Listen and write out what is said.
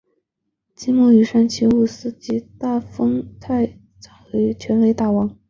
季末与山崎武司及大丰泰昭争夺全垒打王。